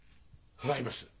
払います！